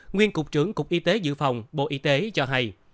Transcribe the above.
nguyên cục trưởng cục y tế dự phòng bộ y tế cho hay